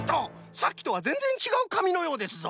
さっきとはぜんぜんちがうかみのようですぞ。